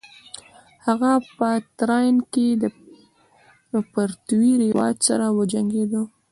هغه په تراین کې د پرتیوي راج سره وجنګید.